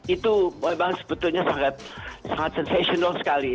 itu memang sebetulnya sangat sunsasional sekali